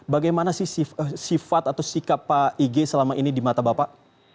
bagaimana sih sifat atau sikap pak ig selama ini di mata bapak